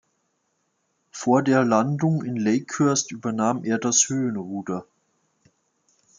Vor der Landung in Lakehurst übernahm er das Höhenruder.